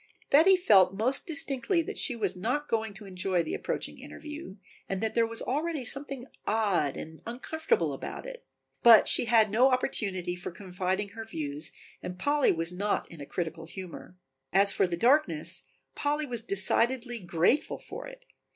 Betty felt most distinctly that she was not going to enjoy the approaching interview, that there was already something odd and uncomfortable about it, but she had no opportunity for confiding her views and Polly was not in a critical humor. As for the darkness Polly was decidedly grateful for it.